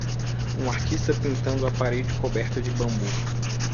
Um artista pintando a parede coberta de bambu.